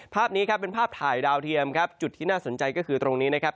ภาพนี้ครับเป็นภาพถ่ายดาวเทียมครับจุดที่น่าสนใจก็คือตรงนี้นะครับ